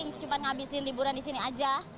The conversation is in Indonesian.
cuma ngabisin liburan di sini aja